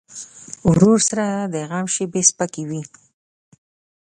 ورور سره د غم شیبې سپکې وي.